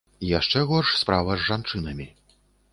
Яшчэ горш справа з жанчынамі.